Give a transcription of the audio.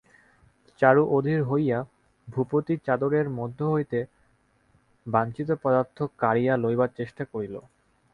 চারু অধীর হইয়া ভূপতির চাদরের মধ্য হইতে বাঞ্ছিত পদার্থ কাড়িয়া লইবার চেষ্টা করিল।